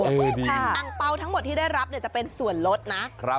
อังเปล่าทั้งหมดที่ได้รับจะเป็นส่วนลดนะ